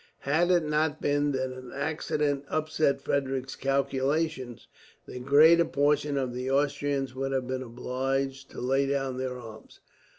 Had it not been that an accident upset Frederick's calculations, the greater portion of the Austrians would have been obliged to lay down their arms.